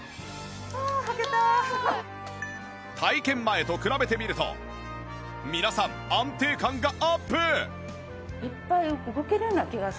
体験前と比べてみると皆さん安定感がアップ！